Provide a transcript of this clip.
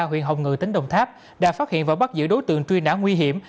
huyện hồng ngự tỉnh đồng tháp đã phát hiện và bắt giữ đối tượng truy nã nguy hiểm